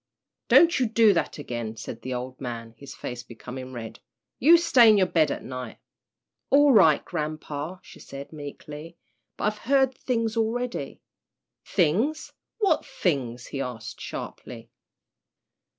"Don't you do that again," said the old man, his face becoming red. "You stay in your bed at night." "All right, grampa," she said, meekly, "but I've heard things already." "Things what things?" he asked, sharply.